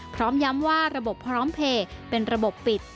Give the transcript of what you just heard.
พร้อมย้ำว่าระบบพร้อมเพลย์เป็นระบบปิด